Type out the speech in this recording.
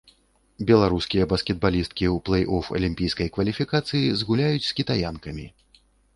Беларускія баскетбалісткі ў плэй-оф алімпійскай кваліфікацыі згуляюць з кітаянкамі.